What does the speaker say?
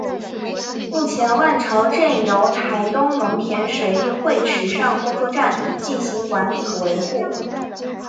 目前万朝圳由台东农田水利会池上工作站进行管理与维护。